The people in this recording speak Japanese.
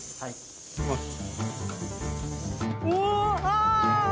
いきます。